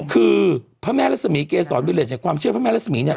คือพระแม่รัศมีเกษรวิเลสจากความเชื่อพระแม่รัศมีร์เนี่ย